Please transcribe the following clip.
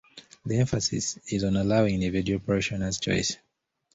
The emphasis is on allowing individual parishioners' choice.